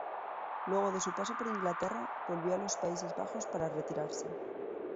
Luego de su paso por Inglaterra, volvió a los Países Bajos para retirarse.